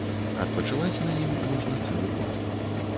Адпачываць на ім можна цэлы год.